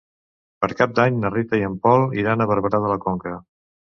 Per Cap d'Any na Rita i en Pol iran a Barberà de la Conca.